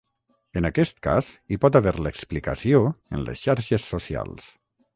En aquest cas hi pot haver l’explicació en les xarxes socials.